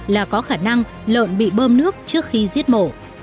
là có khả năng lợn bị bơm nước trước khi giết mổ